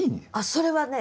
それはね